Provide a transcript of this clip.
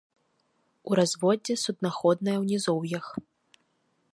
У разводдзе суднаходная ў нізоўях.